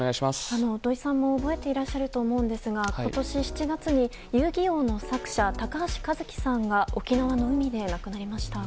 土井さんも覚えていらっしゃると思うんですが今年７月に「遊☆戯☆王」の作者高橋和希さんが沖縄の海で亡くなりました。